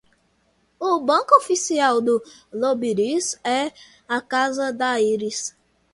o banco oficial do lobiris é a casa da íris